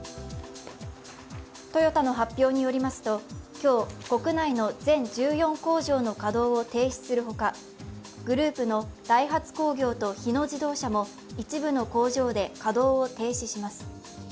トヨタの発表によりますと、今日、国内の全１４工場の稼働を停止するほかグループのダイハツ工業と日野自動車も一部の工場で稼働を停止します。